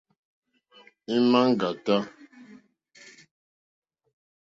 Ímá ŋɡàtá.